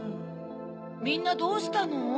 みんなどうしたの？